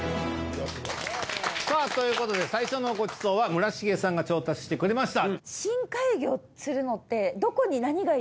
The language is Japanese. さあということで最初のごちそうは村重さんが調達してくれました。